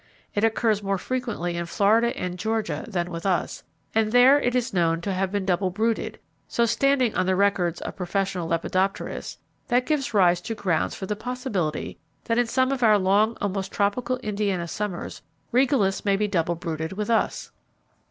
It occurs more frequently in Florida and Georgia than with us, and there it is known to have been double brooded; so standing on the records of professional lepidopterists, that gives rise to grounds for the possibility that in some of our long, almost tropical Indiana summers, Regalis may be double brooded with us.